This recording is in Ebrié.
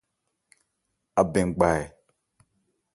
Abɛn gba ɛ ?